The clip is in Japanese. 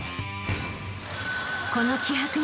［この気迫に］